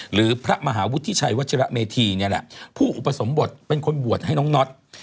หรือพระมหาวุฒิชัยวัชระเมธีเนี่ยแหละผู้อุปสมบทเป็นคนบวชให้น้องน็อต